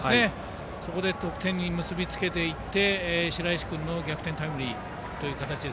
そこで得点に結び付けていって白石君の逆転タイムリーという形。